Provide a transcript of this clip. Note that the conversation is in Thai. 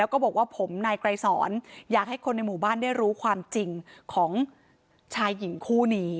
แล้วก็บอกว่าผมนายไกรสอนอยากให้คนในหมู่บ้านได้รู้ความจริงของชายหญิงคู่นี้